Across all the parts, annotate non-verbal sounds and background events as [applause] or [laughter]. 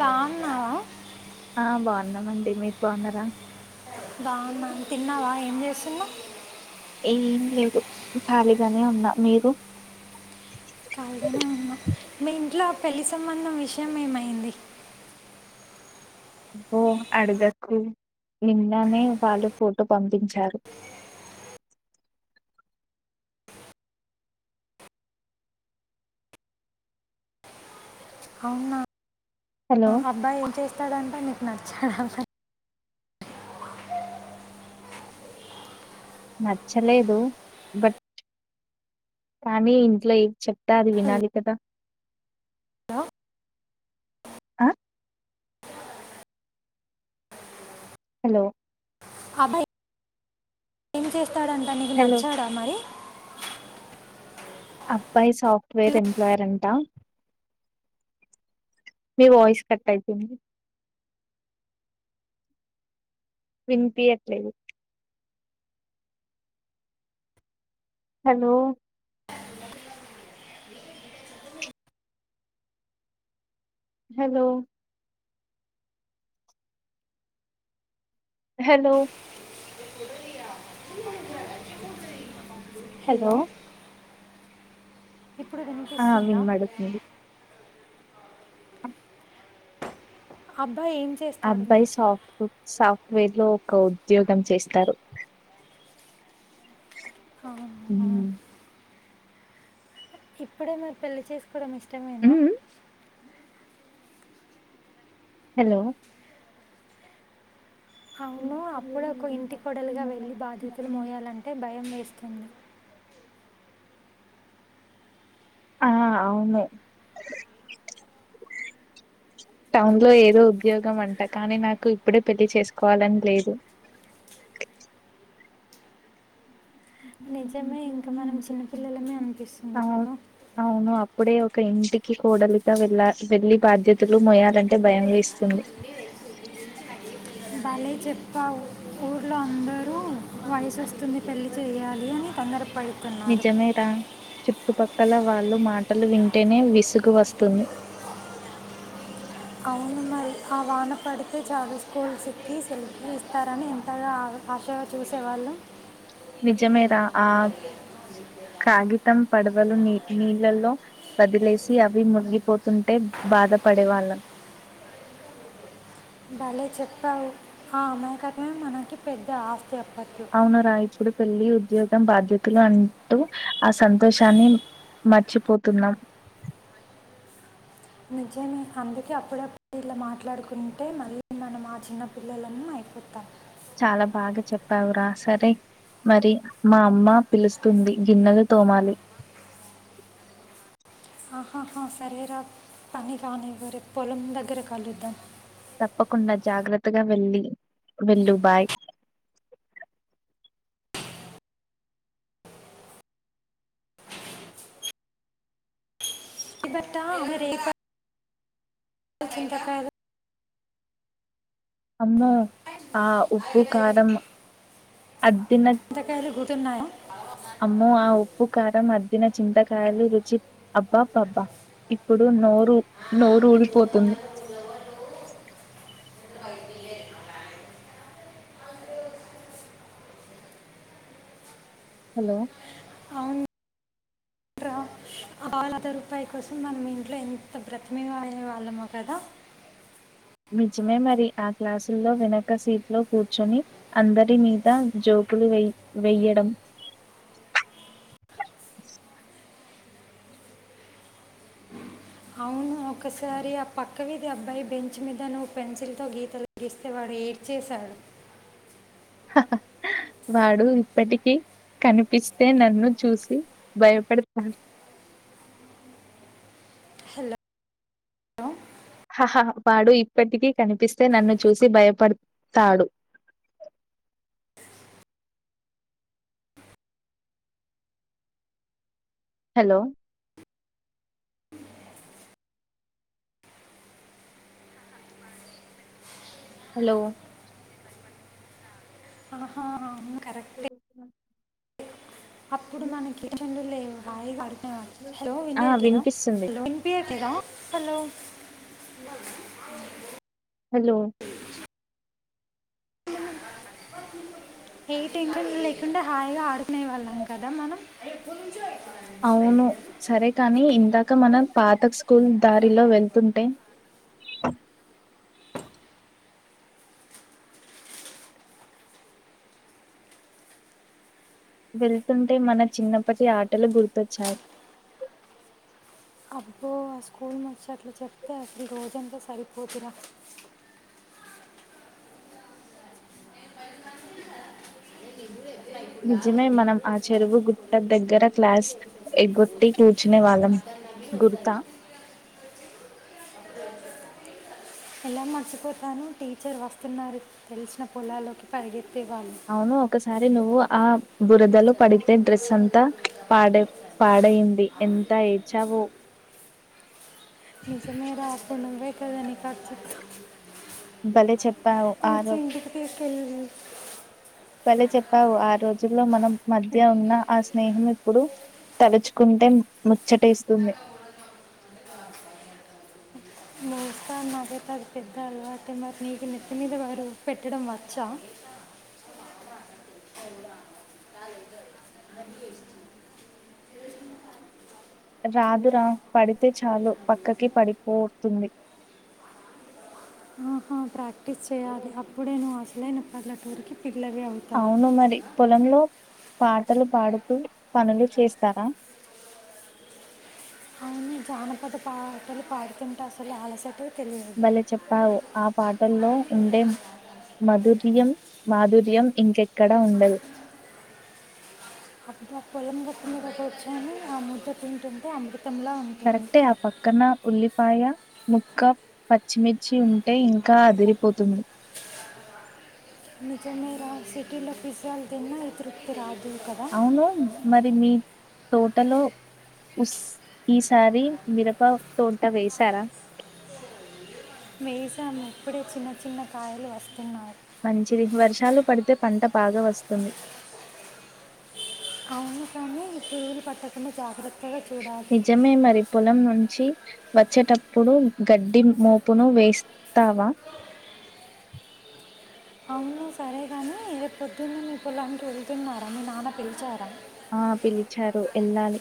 బాగున్నవ ఆ బాగున్నమండి మీరు బాగున్నార బాగున్నా తిన్నవా ఏం చేస్తున్నవ్ ఏం లేదు ఖాలిగానే ఉన్న మీరు కాలిగానే ఉన్న మీ ఇంట్లా పెళ్లి సంబంధం విషయం ఏమైంది ఓ అడుగకు నిన్ననే వాళ్ళు ఫోటో పంపించారు అవునా హలో అబ్బాయి ఏం చేస్తాడంట నీకు నచ్చాడు నచ్చలేదు బట్ కానీ ఇంట్లో ఎం చెప్తా అది వినాలి కదా దా అ హలో అబ్బాయి ఏం చేస్తాడంట నీకు హలో నచ్చాడా మరి అబ్బాయి సాఫ్ట్వేర్ ఎంప్లాయర్ అంట మీ వాయిస్ కట్టయితుంది వినిపియట్లేదు హలో హలో హలో హలో ఇప్పుడు ఆ వినిపిస్తుంద వినబడుతుంది అబ్ అబ్బాయి సాఫ్ట్ సా వేర్లో ఒక ఉద్యోగం చేస్తారు అవునా ఉమ్ ఇప్పుడే మీరు పెళ్లి చేసుకోడం ఇష్టమేనా ఉమ్. హలో అవును అప్పుడే ఒక ఇంటి కొడలుగా వెళ్ళి బాధ్యతులు మోయాలంటే భయమేస్ న్య [unintelligible] ఆ అవును అ [inaudible] టౌన్లో ఏదో ఉద్యోగం అంట కానీ నాకు ఇప్పుడే పెళ్లి చేసుకోవాలని లేదు నిజమే ఇంకా మనం చిన్నపిల్లలమే అనిపిస్తుంది అవు కదా అవును అప్పుడే ఒక ఇంటికి కోడలితో వెళ్ళ వెళ్ళి బాధ్యతలు మొయాలంటే భయం వేస్తుంది భలే చెప్పావు ఊర్లో అందరూ వయసొస్తుంది పెళ్ళి చేయ్యాలీ అని తొందర నిజమే రా చుట్టుప క్కల వాళ్ళు మాటలు వింటేనే విసుగు వస్తుంది అవును మరి ఆ వాన పడితే చాలు స్కూల్స్ కి [unintelligible] ల్ ఇస్తారని ఎంతగా ఆశగా చూసేవాళ్ళం నిజమే రా ఆ కగితం పడు లు నీ నీళ్ళలో వదిలేసి అవి మునిగిపోతుంటే బాధ పడే వాళ్ళం భలే చెప్పావు ఆ అమాయకత్మే మనకి పెద్ద ఆస్తి అప్పట్లో అవునార ఇప్పుడు పెళ్ళిద్ జీవితం బాధ్యతలు అంటూ ఆ సంతోషాన్ని మర్చిపోతున్నాం మ నిజమే అందుకే అప్పుడప్పుడు ఇలా మాట్లాడుకుంటే మళ్ళీ మనం ఆ చిన్న పిల్లలన్న అ కుత్తా చాలా బాగా చెప్పావురా సరే మరి మా అమ్మ పిలుస్తుంది గిన్నెలు తోమాలి ఆహాహా సరేరా పని కానివరే పొలం దగ్గర కలుద్దాం తప్పకుండా జాగ్రత్తగా వెళ్ళి వెళ్ళు బాయ్ ఇబట్టారే తకా అమ్మో ఆ ఉప్పు కారం అ తిన్న చింతకాయలు గుతున్నాయా అమ్మ ఆ ఉప్పు కారం అ చింతకాయలు రుచి అబ్బా పబ్బా ఇప్పుడు నోరు నోరు ఊడిపోతుంది హలో ఆలాత రూపాయి కోసం మనం ఇంట్లో ఎంత బ్రతమ అయే వాళ్ళమో కదా నిజమే మరి ఆ క్లాసుల్లో వెనక సీట్ లో కూర్చొని అందరి మీద జో కులు వె వెయ్యడం అవును ఒకసారి ఆ పక్కవిధి అబ్బాయి బెంచ్ మీద నువ్వు పెన్సిల్ తో గీత తగిస్తే వాడు పేడ్ చేశాడు వాడు ఇప్పటికి కనిపిస్తే నన్ను చూసి భయపడతారు హలో హహా వాడు ఇప్పటికీ కనిపిస్తే నన్ను చూసి భయపడతాడు హలో హలో ఆహా అ అను కరెక్ట్ అప్పుడు మనకిిరచెలూలో హాయిడు లో ఆ! వింయట్లేదా వినిపిస్తుంది. లో వినిపియట్లేదా హలో హలో ఎయిట్ ఇంక లేకుంటడా హాయిగా ఆడుకునే వాళ్ళం కదా మనం అవును సరే కాని ఇందాక మనం పాతక స్కూల్ దారిలో వెళ్తుంటే వెళ్తుంటే మన చిన్నప్పటి ఆటలు గుర్తొచ్చాయి అబ్బో ఆ స్కూల్ ను వచ్చి అట్లు చెప్తే అసలు ఈ రోజంతా సరిపోతురా నిజమే మనం ఆ చెరువు గుట్ట దగ్గర క్లాస్ ఎగ్గొట్టి కూర్చునే వాళ్ళం గురుత ఎలా మర్చిపోతాను టీచర్ వస్తున్నారు తెలిసిన పొలాలోకి పరిగె అవును ఒకసారి అంటే నువ్వు ఆ బురదలో పడితే డ్రెస్ అంతా పాడ పాడైంది ఎంత అయి చవో నిజమే రాకును వ కదని ఖర్చు భలే చెప్పావు ఆరో ఇంటికి తీసుకెళ్ళి భలే చెప్పావు ఆ రోజుల్లో మనం మధ్య ఉన్న ఆ స్నేహం ఇప్పుడు తలుచుకుంటే మ్ ముచ్చటేస్తుంది [inaudible] సార్ నాకైతే అది పెద్ద అలవాటు మరి నీకు నెత్తి మీద వారు పెట్టడం వచ్చా [inaudible] రాదురా పడితే చాలు పక్కకి పడిపోతుంది ఆ ప్రాక్టిస్ చేయాలి అప్పుడే నువ్ అసలైన పల్లెటూరికి పిల్లవి అవుతావు అవును మరి పొలంలో పాటలు పాడుతూ పనులు చేస్తారా అవును జానపద పాటలు పాడుతుంటసలు అలసటె భలే చెప్పావు ఆ పాటల్లో ఉండే మధుర్యం మాధుర్యం ఇంకెక్కడా ఉండదు అప్పుడు ఆ పొలం గట్టు మీద కూర్చోని ఆ ముచ్చట్లింటుంటే అమృతంలా ఉంటుంది కరెక్టే ఆ పక్కన ఉల్లిపాయ ముక్క పచ్చిమిర్చి ఉంటే ఇంకా దిరిపోతుంది నిజమేరా సిటీలో ఫిజ్జాల్ తిన్నా ఈ తృప్తి రా అవునూ మరి మీ తోటలో ఉస్ ఈసారీ మిరప తోట్ట వేసారా మేజాము ఇప్పుడే చిన్న చిన్న కాయలు వస్తున్నాయ్ మంచిది వర్షాలు పడితే పంట బాగా వస్తుంది అవును కనీ పురుగులు పట్టకుండ జాగ్ర నిజమే మరి పొలం చ్చి వచ్చేటప్పుడు గడ్డి మోపును వేస్తావా అవును సరే గాని రేప్పొద్దున్నే మీ పొలానికి వెళ్తున్నారా మీ నాన్న పిల్చారా ఆ పిలిచారు ఎళ్ళాలి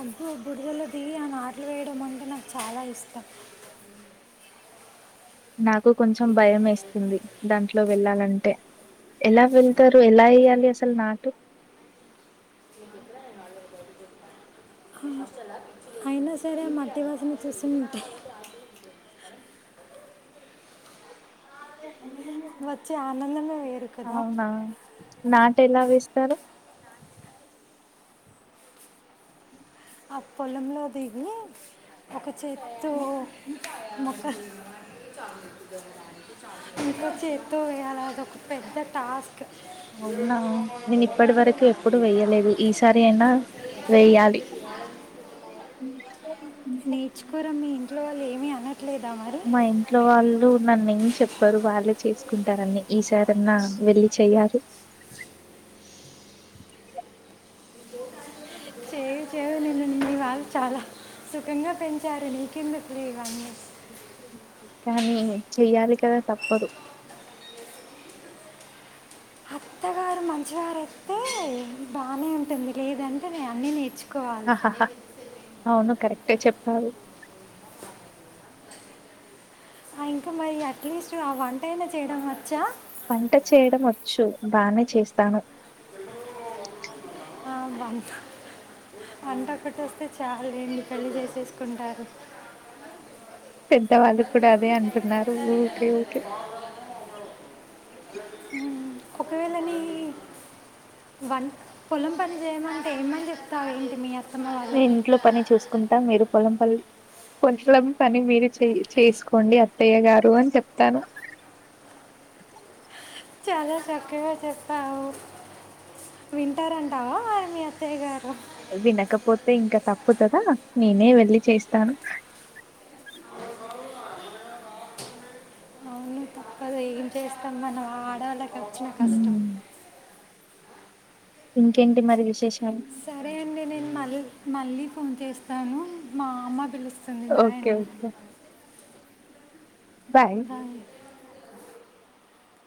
అబ్బు బుడదల దిగి ఆ నాట్లు వేయడం అంటే నాకు చాలా ఇష్టం నాకు కొంచం భయమేస్తుంది దాంట్లో వెళ్ళాలంటే ఎలా వెళ్తారు ఎలా ఎయ్యాలి అసలు నాటు నీక్ గుర్త్ [inaudible] అయినా సరే మధ్యలోసింది చూసుంటే వచ్చే ఆనందమే వేరు కదా అవునా! నాటెలా వేస్తారు ఆ పొలంలో దిగీ ఒక చేత్తో మొక్క [inaudible] ఇంక చేత్తో వేయాలదొక పెద్ద టాస్క్ అవునా నేను ఇప్పటి వరకీ ఎప్పుడు వెయ్యలేదు ఈసారి అయినా వెేయ్యాలి [inaudible] నేర్చుకోరా మీ ఇంట్లో వళ్ళు ఏమీ అన మా ఇంట్లో వాళ్ళు నన్నేం చెప్పరు వాళ్ళే చేసుకుంటారన్నీ ఈసారన్నా వెళ్ళి చెయ్యాలి చే చేవు నిన్ను మీ వాళ్ళు చాలా సుఖంగా పెంచారు నీకెందుకులే ఇవన్ని కానీ చెయ్యాలి కదా తప్పదు అత్తగారు మంచివారొత్తే బానే ఉంటుంది లేదంటే నే అన్నీ నేర్చు ఆహాహా అవును కరెక్టే చెప్పావు ఆ ఇంకా మరి అట్లీస్ట్ ఆ వంటైనా చేయడం వచ్చా వంట చేయడం వచ్చు బానే చేస్తాను. ఆ వం ట్హ్ వంట ఒకటి వస్తే చాలేండి పెళ్ళి జేసేసుకుంటారు. పెద్దవాళ్ళు కూడా అదే అంటున్నారు ఊకే ఊకే ఉహ్మ్ ఒకవేళ ని వన్ పొలం పని జేయమంటే ఏమన్ జేప్తావు ఏంటి మీ యాత్ నీన్ ఇంట్లో పని చూసుకుంటాం మీరు పొలం పల్లి కొచలం పని మీరు చె చేసుకోండి అత్తయ్య గారు అని చెప్తాను. [inaudible] చాలా చక్కగా చెప్పావు వింటర్ అంటావా. మీ అత్ వినకపోతే ఇంకా తప్ తుతదా నేనే వెళ్ళి చేస్తాను. అవును తప్పదు ఏం చేస్తాం మనం ఆడాళ్ళకి వచ్చిన కష్టం. హ్మ్. ఇంకేంటి మరి విశేష్ సరే అండి నేను మళ్ళి మళ్ళీ ఫోన్ చేస్తాను మా అమ్మ బిలుస్ సుది బాయ్ ఓకే అండి. Okay bye.